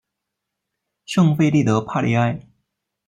圣费利德帕利埃。